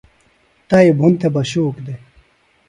تائیۡ بھُن تھےۡ بہ شوک دےۡ